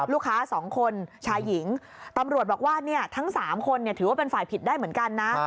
ลูกค้า๒คนชายหญิงตำรวจบอกว่าทั้ง๓คนถือว่าเป็นฝ่ายผิดได้เหมือนกันนะ